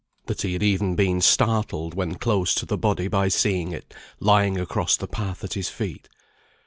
That he had even been startled when close to the body by seeing it lying across the path at his feet.